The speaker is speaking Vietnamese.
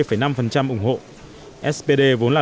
spd vốn là đối tác trong liên minh